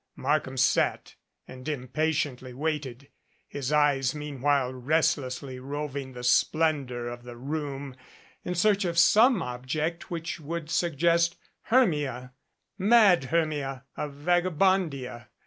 Markham sat and impatiently waited, his eyes meanwhile restlessly roving the splendor of the room in search of some object which would suggest Hermia mad Hermia of Vagabondia.